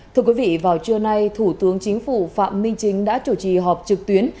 thưa quý vị vào trưa nay thủ tướng chính phủ phạm minh chính đã chủ trì họp trực tuyến